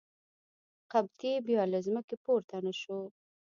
قبطي بیا له ځمکې پورته نه شو.